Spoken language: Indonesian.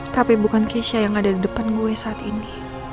tapi bukan keisha yang ada di depan gue saat ini